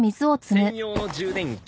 専用の充電器